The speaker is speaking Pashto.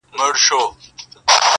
دا کاڼي د غضب یوازي زموږ پر کلي اوري٫